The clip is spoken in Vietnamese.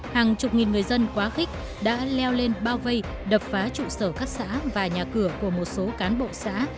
hàng chục nghìn người dân quá khích đã leo lên bao vây đập phá trụ sở các xã và nhà cửa của một số cán bộ xã